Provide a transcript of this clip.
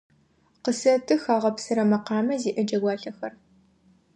Къысэтых агъэпсырэ мэкъамэ зиӏэ джэгуалъэхэр.